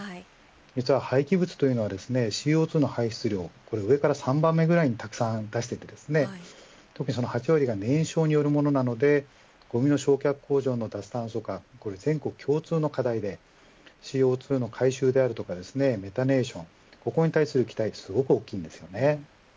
実は廃棄物というのはＣＯ２の排出量これ上から３番目くらいにたくさん出していて特に８割が燃焼によるものなのでごみの焼却工場の脱炭素化は全国共通の課題でＣＯ２の回収であるとかメタネーション、ここに対する期待がすごく大きいんです。